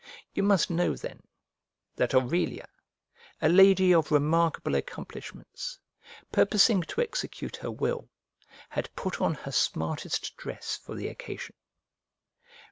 You must know, then, that Aurelia, a lady of remarkable accomplishments, purposing to execute her will, had put on her smartest dress for the occasion.